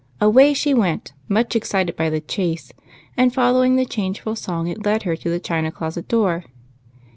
Away she went, much excited by the chase, and following the changeful song it led her to the china closet door.